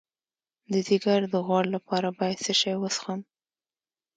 د ځیګر د غوړ لپاره باید څه شی وڅښم؟